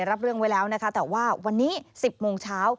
รับเรื่องไว้แล้วนะคะแต่ว่าวันนี้๑๐โมงเช้า